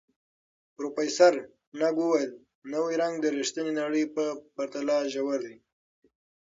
پروفیسر نګ وویل، نوی رنګ د ریښتیني نړۍ په پرتله ژور دی.